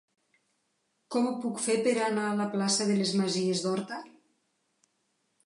Com ho puc fer per anar a la plaça de les Masies d'Horta?